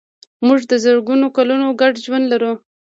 موږ د زرګونو کلونو ګډ ژوند لرو.